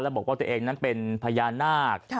บอกว่าตัวเองนั้นเป็นพญานาค